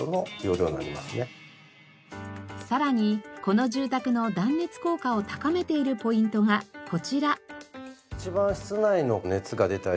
さらにこの住宅の断熱効果を高めているポイントがこちら。